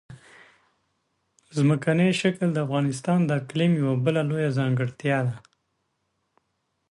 ځمکنی شکل د افغانستان د اقلیم یوه بله لویه ځانګړتیا ده.